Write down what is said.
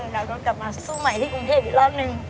แล้วก็กลับมาสู้ใหม่ที่กรุงเทพอีกรอบนึง